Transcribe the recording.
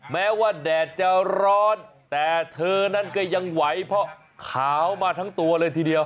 แม้ว่าแดดจะร้อนแต่เธอนั้นก็ยังไหวเพราะขาวมาทั้งตัวเลยทีเดียว